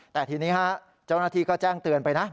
แต่ทีนี้ฮะเจ้าหน้าที่ก็แจ้งเตือนไปนะ